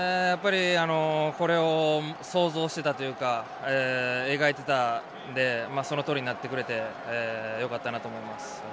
これを想像してたというか描いていたのでそのとおりになってくれてよかったなと思います。